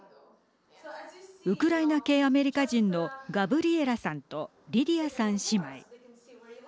ウクライナ系アメリカ人のガブリエラさんとリディアさん姉妹。